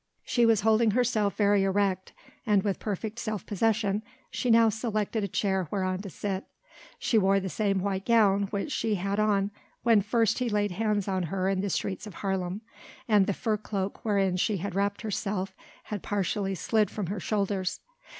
She was holding herself very erect, and with perfect self possession she now selected a chair whereon to sit. She wore the same white gown which she had on when first he laid hands on her in the streets of Haarlem, and the fur cloak wherein she had wrapped herself had partially slid from her shoulders.